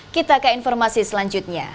kita ke informasi selanjutnya